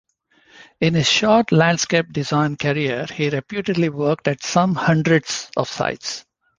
In his short landscape design career he reputedly worked at "some hundreds" of sites.